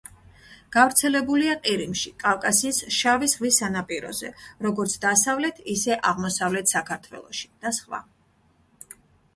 გავრცელებულია ყირიმში, კავკასიის შავი ზღვის სანაპიროზე, როგორც დასავლეთ, ისე აღმოსავლეთ საქართველოში და სხვა.